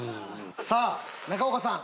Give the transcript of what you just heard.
さあ中岡さん。